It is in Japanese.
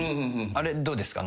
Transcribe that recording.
あれどうですか？